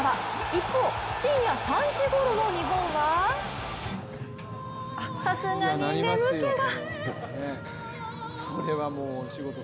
一方、深夜３時ごろの日本はさすがに眠気が。